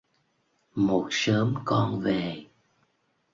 Một sớm con về